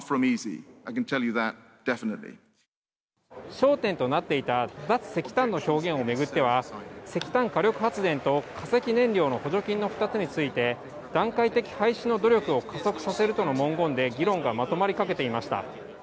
焦点となっていた脱石炭の表現をめぐっては、石炭火力発電と化石燃料の補助金の２つについて段階的廃止の努力を加速させるとの文言で議論がまとまりかけていました。